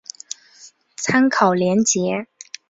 参考连结